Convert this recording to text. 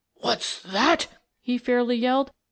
" What's that ?" he fairly yelled.